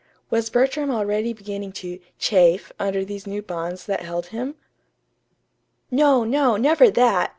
Was Bertram already beginning to "chafe" under these new bonds that held him? No, no, never that!